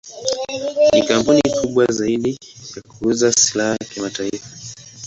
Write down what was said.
Ni kampuni kubwa zaidi ya kuuza silaha kimataifa.